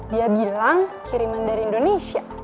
dia bilang kiriman dari indonesia